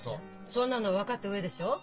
そんなの分かった上でしょう？